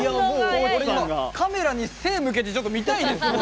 カメラに背を向けて見たいです！